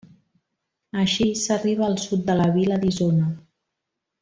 Així s'arriba al sud de la vila d'Isona.